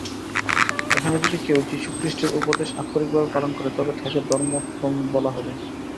এখানে যদি কেউ যীশুখ্রীষ্টের উপদেশ আক্ষরিকভাবে পালন করে, তবে তাকে ধর্মোন্মত্ত বলা হবে।